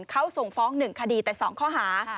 เขาส่งฟ้อง๑คดีแต่๒ข้อหา